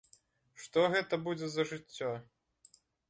Што гэта будзе за жыццё?